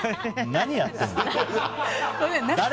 何やってんの？